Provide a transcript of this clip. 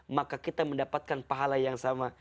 maka kita mendapatkan pahala yang sama